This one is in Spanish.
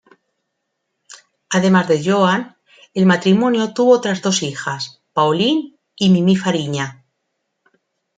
Además de Joan, el matrimonio tuvo otras dos hijas: Pauline y Mimi Fariña.